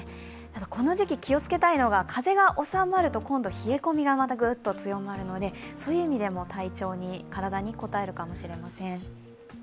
この時期気を付けたいのが、風が収まると今度は冷え込みがぐっと強まるのでそういう意味でも体にこたえるかもしれません。